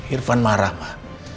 irfan marah pak